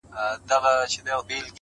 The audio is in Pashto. چي كوڅې يې وې ښايستې په پېغلو حورو!